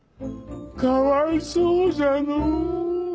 かわいそうじゃのう。